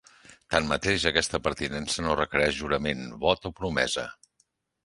Tanmateix, aquesta pertinença no requereix jurament, vot o promesa.